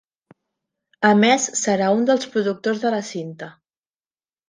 A més, serà un dels productors de la cinta.